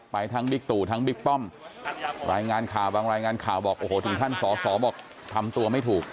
ทั้งบิ๊กตู่ทั้งบิ๊กป้อมรายงานข่าวบางรายงานข่าวบอกโอ้โหถึงขั้นสอสอบอกทำตัวไม่ถูก